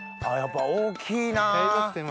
やっぱ大きいな。